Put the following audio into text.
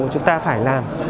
chúng ta phải làm